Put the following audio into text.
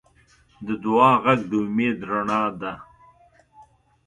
د دعا غږ د امید رڼا ده.